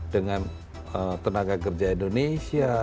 dengan tenaga kerja indonesia